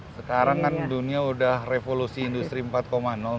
sekarang kan dunia udah revolusi industri empat